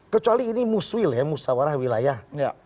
kecuali ini muswil ya musawarah wilayah